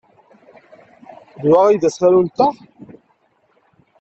D wa ay d asensu-nteɣ?